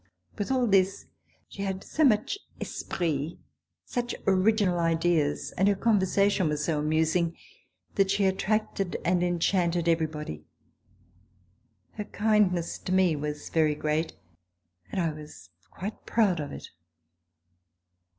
With all this, she had so much esprit, such original ideas, and her conversation was so amusing that she attracted and enchanted everybody. Her kind ness to me was very great and I was quite proud of it.